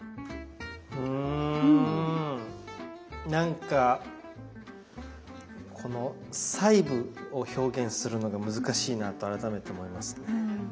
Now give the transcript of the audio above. うんなんかこの細部を表現するのが難しいなと改めて思いますね。